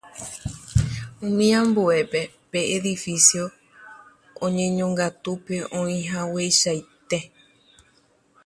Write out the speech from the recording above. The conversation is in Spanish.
En el resto el edificio se conserva en su disposición original.